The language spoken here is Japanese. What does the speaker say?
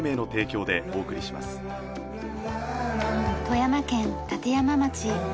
富山県立山町。